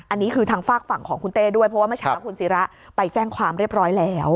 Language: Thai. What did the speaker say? อันนี้คือทางฝากฝั่งของคุณเต้ด้วยเพราะว่าเมื่อเช้าคุณศิระไปแจ้งความเรียบร้อยแล้ว